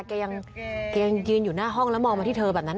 แกยังแกยืนอยู่หน้าห้องแล้วมองมาที่เธอแบบนั้น